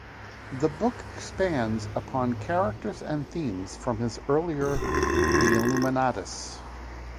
The book expands upon characters and themes from his earlier The Illuminatus!